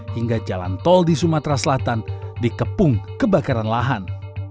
hingga jalan tol di sumatera selatan dikepung kebakaran lahan